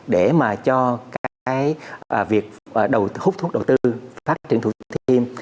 để mà cho cái việc hút thuốc đầu tư phát triển thủ thiêm